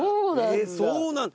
そうなんだ。